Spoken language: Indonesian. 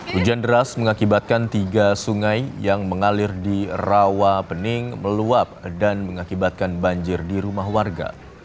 hujan deras mengakibatkan tiga sungai yang mengalir di rawa pening meluap dan mengakibatkan banjir di rumah warga